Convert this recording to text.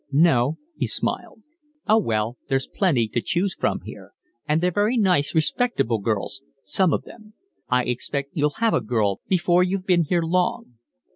"No," he smiled. "Oh, well, there's plenty to choose from here. And they're very nice respectable girls, some of them. I expect you'll have a girl before you've been here long."